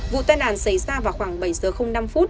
vụ tai nạn xảy ra vào khoảng bảy giờ năm phút